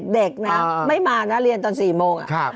เด็กนะไม่มานะเรียนตอน๔โมง